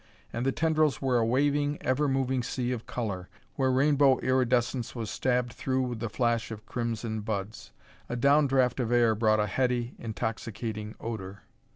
And the tendrils were a waving, ever moving sea of color, where rainbow iridescence was stabbed through with the flash of crimson buds. A down draft of air brought a heady, intoxicating odor.